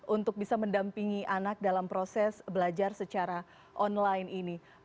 untuk bisa mendampingi anak dalam proses belajar secara online ini